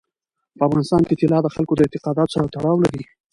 په افغانستان کې طلا د خلکو د اعتقاداتو سره تړاو لري.